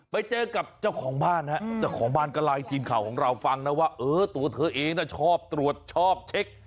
ไปเจอกับเจ้าของบ้านจ้าของบ้านก้าลายอีทีนข่าวของเราฟังว่าตัวเธอนะชอบตรวจชอบเช็ค